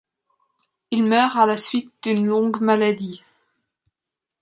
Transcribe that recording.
Il meurt à la suite d'une longue maladie.